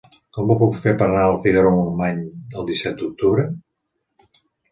Com ho puc fer per anar a Figaró-Montmany el disset d'octubre?